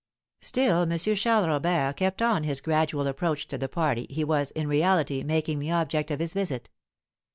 Still M. Charles Robert kept on his gradual approach to the party he was, in reality, making the object of his visit.